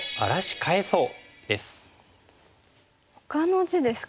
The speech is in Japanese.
ほかの地ですか。